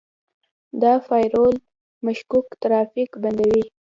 دا فایروال مشکوک ترافیک بندوي.